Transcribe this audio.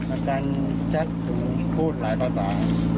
อาการแชทพูดหลายภาษา